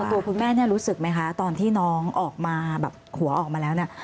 ตัวคุณแม่เนี่ยรู้สึกไหมคะตอนที่น้องออกมาแบบหัวออกมาแล้วเนี่ย